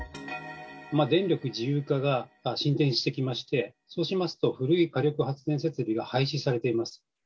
電力自由化が進展してきまして、そうしますと古い火力発電設備が廃止されています。